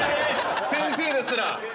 先生ですら⁉